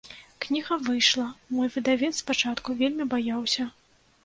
Кніга выйшла, мой выдавец спачатку вельмі баяўся.